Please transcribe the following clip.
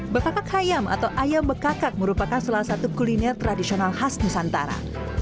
bekakak ayam atau ayam bekakak merupakan salah satu kuliner tradisional khas nusantara